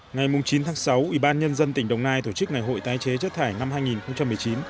ngày chín tháng sáu ủy ban nhân dân tỉnh đồng nai tổ chức ngày hội tái chế chất thải năm hai nghìn một mươi chín